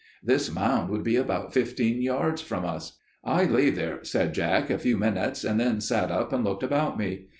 This mound would be about fifteen yards from us. "I lay there, said Jack, a few minutes, and then sat up and looked about me.